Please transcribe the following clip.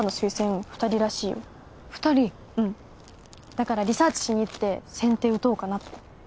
だからリサーチしにいって先手打とうかなって。